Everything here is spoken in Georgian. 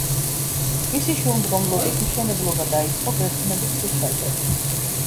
მისი შუამდგომლობით მშენებლობა დაიწყო ბერძნების ქუჩაზე.